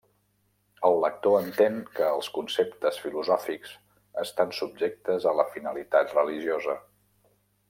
El lector entén que els conceptes filosòfics estan subjectes a la finalitat religiosa.